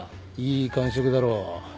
いい感触だろ。